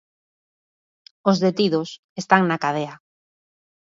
Os detidos están na cadea.